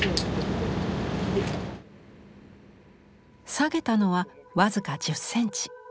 下げたのは僅か１０センチ。